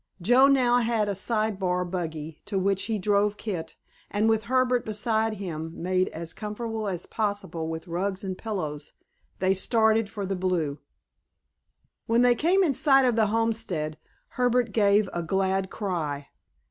Joe now had a side bar buggy, to which he drove Kit, and with Herbert beside him made as comfortable as possible with rugs and pillows, they started for the Blue. When they came in sight of the homestead Herbert gave a glad cry.